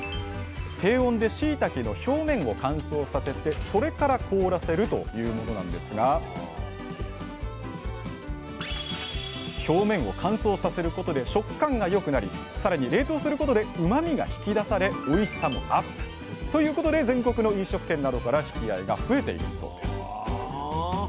低温でしいたけの表面を乾燥させてそれから凍らせるというものなんですが表面を乾燥させることで食感が良くなりさらに冷凍することでうまみが引き出されおいしさもＵＰ。ということで全国の飲食店などから引き合いが増えているそうです